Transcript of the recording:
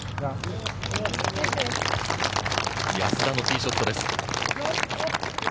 安田のティーショットです。